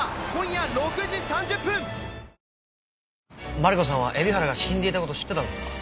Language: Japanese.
マリコさんは海老原が死んでいた事知ってたんですか？